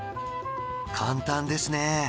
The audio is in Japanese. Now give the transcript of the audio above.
簡単ですね